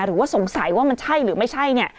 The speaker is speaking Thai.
หรือว่าสงสัยว่ามันใช่หรือไม่ใช่เนี่ย